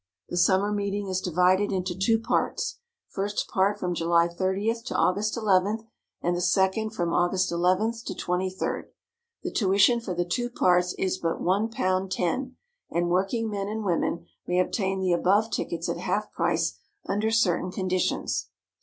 The summer meeting is divided into two parts: First part from July 30 to August 11, and the second from August 11 to 23. The tuition for the two parts is but £1.10 and working men and women may obtain the above tickets at half price under certain conditions.